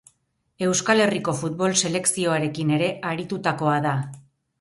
Euskal Herriko futbol selekzioarekin ere aritutakoa da.